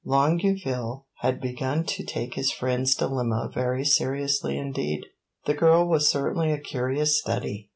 Longueville had begun to take his friend's dilemma very seriously indeed. The girl was certainly a curious study.